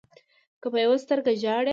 که په يوه سترګه ژاړې